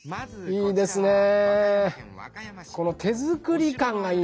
いいですねえ！